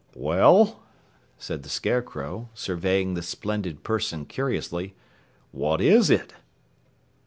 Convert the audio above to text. "Well," said the Scarecrow, surveying this splendid person curiously, "what is it?"